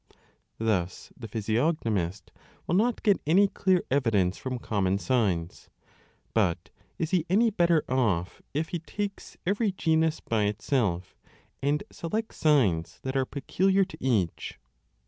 Thus the physiognomist will not get any clear evidence from common signs. 1 But is he any better off if he takes every genus by itself and selects signs that are peculiar to each